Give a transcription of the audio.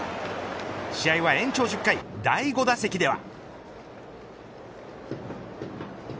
試合は延長１０回第５打席では。